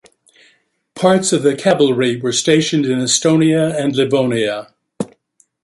Parts of the cavalry were stationed in Estonia and Livonia.